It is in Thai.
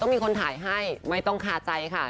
ไม่ต้องคาใจค่ะ